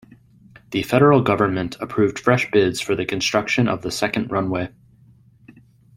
The Federal Government approved fresh bids for the construction of the second runway.